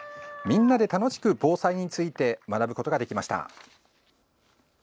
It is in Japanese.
みんなで楽しく防災について学ぶことができました。